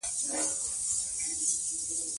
او په کوره دننه او بهر له خنډونو سره مخېږي،